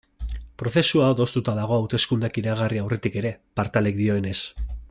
Prozesua adostuta dago hauteskundeak iragarri aurretik ere, Partalek dioenez.